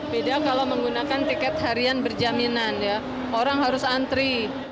beda kalau menggunakan tiket harian berjaminan ya orang harus antri